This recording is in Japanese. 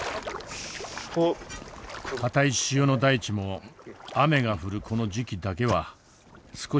硬い塩の大地も雨が降るこの時期だけは少し軟らかくなります。